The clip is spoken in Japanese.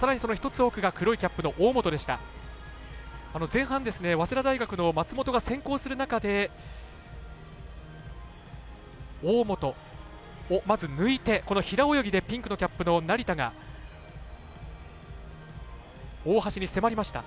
前半、早稲田大学の松本が先行する中で、大本をまず抜いて平泳ぎでピンクのキャップの成田が大橋に迫りました。